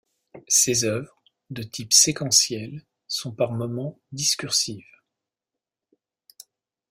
Ses œuvres, de type séquentiel, sont par moments, discursives.